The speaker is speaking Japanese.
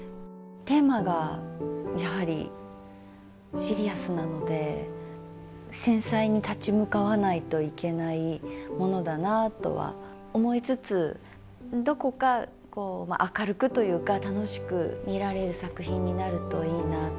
テーマがやはりシリアスなので繊細に立ち向かわないといけないものだなとは思いつつどこかこう明るくというか楽しく見られる作品になるといいなと。